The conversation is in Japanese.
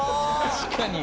確かに。